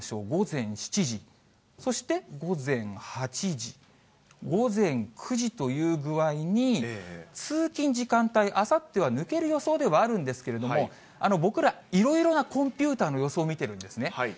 午前７時、そして午前８時、午前９時という具合に、通勤時間帯、あさっては抜ける予想ではあるんですけれども、僕ら、いろいろなコンピューターの予想を見てるんですね。